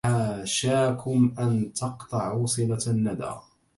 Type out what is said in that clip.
حاشاكم أن تقطعوا صلة الندى